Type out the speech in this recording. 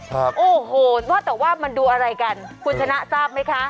ครับโอ้โหว่าแต่ว่ามันดูอะไรกันคุณชนะทราบไหมคะ